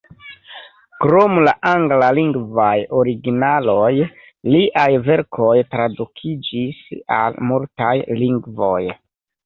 Krom la anglalingvaj originaloj, liaj verkoj tradukiĝis al multaj lingvoj.